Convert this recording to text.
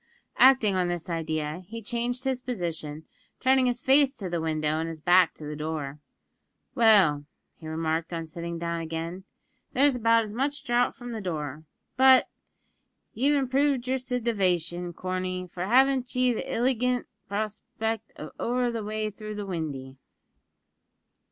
Acting on this idea, he changed his position, turning his face to the window and his back to the door. "Well," he remarked on sitting down again, "there's about as much draught from the door; but, sure, ye've improved yer sitivation, Corney, for haven't ye the illigant prospect of over the way through the windy?"